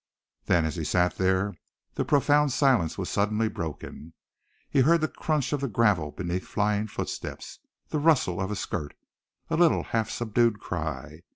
Then, as he sat there, the profound silence was suddenly broken. He heard the crunch of the gravel beneath flying footsteps, the rustle of a skirt, a little half subdued cry!